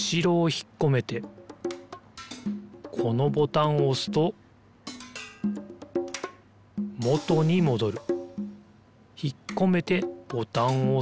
ひっこめてボタンをおすともとにもどる。